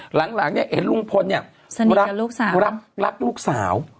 หลังเนี่ยเห็นลุงพลเนี่ยรักลูกสาว